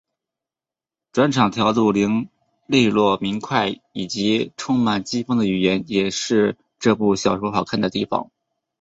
转场调度俐落明快以及充满机锋的语言也是这部小说好看的地方。